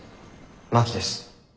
真木です。